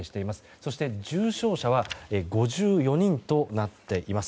そして重症者は５４人となっています。